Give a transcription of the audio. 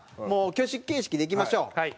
もう挙手形式でいきましょう。